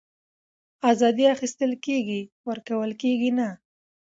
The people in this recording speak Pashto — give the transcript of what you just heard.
آزادي اخيستل کېږي ورکول کېږي نه